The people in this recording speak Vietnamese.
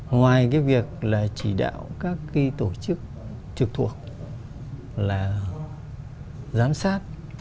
ngoài cái việc là chỉ đạo các cái tổ chức trực thuộc là giám sát